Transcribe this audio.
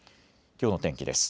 きょうの天気です。